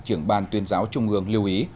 trưởng ban tuyên giáo trung ương lưu ý